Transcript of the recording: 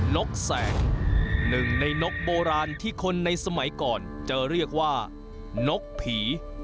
นกแสงหนึ่งในนกโบราณที่คนในสมัยก่อนจะเรียกว่านกผี